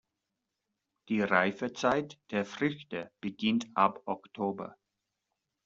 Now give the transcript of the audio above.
Die Reifezeit der Früchte beginnt ab Oktober.